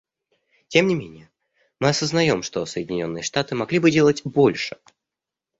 Тем не менее, мы осознаем, что Соединенные Штаты могли бы делать больше.